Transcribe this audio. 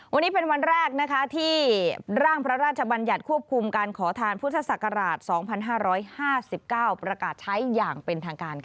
วันนี้เป็นวันแรกที่ร่างพระราชบัญญัติควบคุมการขอทานพุทธศักราช๒๕๕๙ประกาศใช้อย่างเป็นทางการ